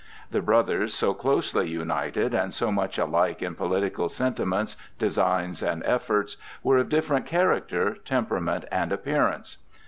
The brothers, so closely united and so much alike in political sentiments, designs, and efforts, were of different character, temperament, and appearance.